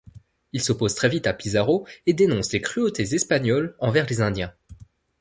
Il s'oppose très vite à Pizarro et dénonce les cruautés espagnoles envers les Indiens.